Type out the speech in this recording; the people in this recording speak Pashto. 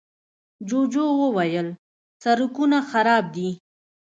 جوجو وويل، سړکونه خراب دي.